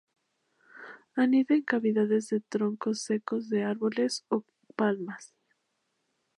Anida en cavidades de troncos secos de árboles o palmas.